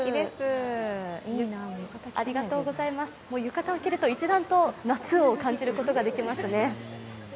浴衣を着ると一段と夏を感じることができますね。